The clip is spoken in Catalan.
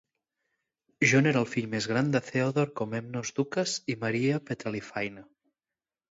John era el fill més gran de Theodore Komnenos Doukas i Maria Petraliphaina.